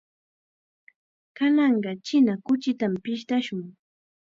Kananqa china kuchitam pishtashun.